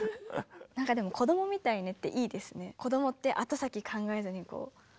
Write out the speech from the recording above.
なんかでも「子どもみたいね」っていいですね。